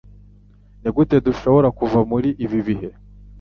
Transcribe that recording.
Nigute dushobora kuva muri ibi bihe?